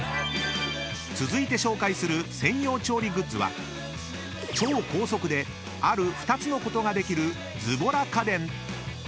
［続いて紹介する専用調理グッズは超高速である２つのことができるズボラ家電］